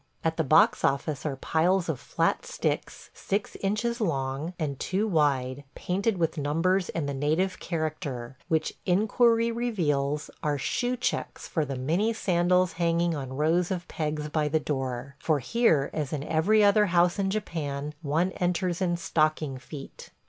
At the box office are piles of flat sticks, six inches long and two wide, painted with numbers in the native character, which, inquiry reveals, are shoe checks for the many sandals hanging on rows of pegs by the door; for here, as in every other house in Japan, one enters in stocking feet.